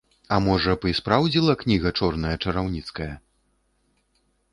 А можа б, і спраўдзіла кніга чорная чараўніцкая?